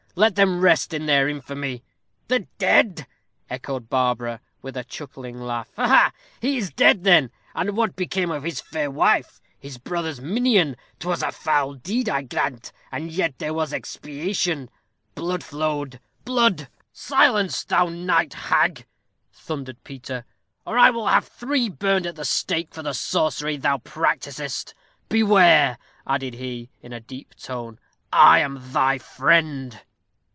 Let them rest in their infamy." "The dead!" echoed Barbara, with a chuckling laugh; "ha! ha! he is dead, then; and what became of his fair wife his brother's minion? 'Twas a foul deed, I grant, and yet there was expiation. Blood flowed blood " "Silence, thou night hag!" thundered Peter, "or I will have thee burned at the stake for the sorcery thou practisest. Beware," added he, in a deep tone "I am thy friend."